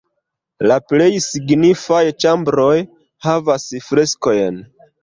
La plej signifaj ĉambroj havas freskojn.